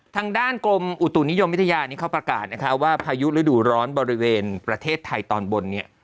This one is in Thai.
ทางด้านกรมอุตุนิยมวิทยานี้เขาประกาศนะคะว่าพายุฤดูร้อนบริเวณประเทศไทยตอนบนเนี่ย